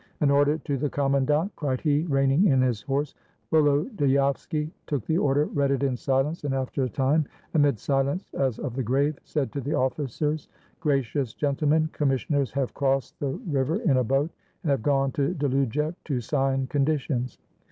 "An order to the commandant!" cried he, reining in his horse. Volodyovski took the order, read it in silence, and after a time, amid silence as of the grave, said to the ofi5cers, — "Gracious gentlemen, commissioners have crossed 140 THE SURRENDER OF KAMENYETZ the river in a boat, and have gone to Dlujek to sign con ditions.